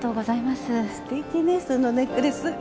すてきねそのネックレス。